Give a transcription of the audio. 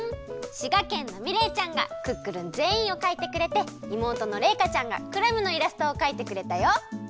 滋賀県のみれいちゃんがクックルンぜんいんをかいてくれて妹のれいかちゃんがクラムのイラストをかいてくれたよ。